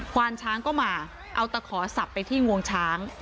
วานช้างก็มาเอาตะขอสับไปที่งวงช้าง